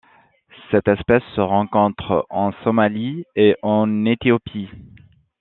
Cette espèce se rencontre en Somalie et en Éthiopie.